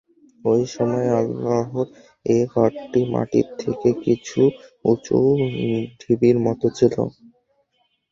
ঐ সময় আল্লাহর এ ঘরটি মাটির থেকে কিছু উঁচু ঢিবির মত ছিল।